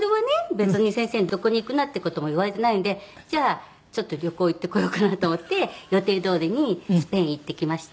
別に先生にどこに行くなって事も言われてないんでじゃあちょっと旅行行ってこようかなと思って予定どおりにスペイン行ってきました。